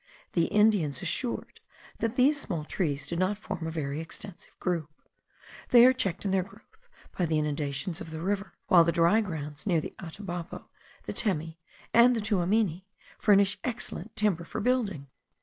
The Indians assured that these small trees do not form a very extensive group. They are checked in their growth by the inundations of the river; while the dry grounds near the Atabapo, the Temi, and the Tuamini, furnish excellent timber for building.